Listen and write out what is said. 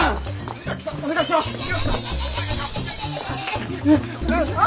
庭木さんお願いします。